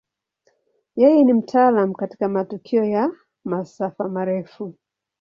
Yeye ni mtaalamu katika matukio ya masafa marefu.